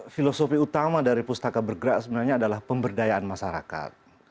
filosofi utama dari pustaka bergerak sebenarnya adalah pemberdayaan masyarakat